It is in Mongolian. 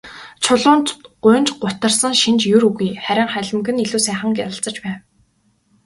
Чулуунд гуньж гутарсан шинж ер үгүй, харин халимаг нь илүү сайхан гялалзаж байв.